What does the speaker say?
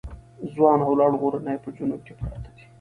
ځوان او لوړ غرونه یې په جنوب کې پراته دي.